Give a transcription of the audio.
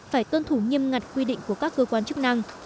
phải tuân thủ nghiêm ngặt quy định của các cơ quan chức năng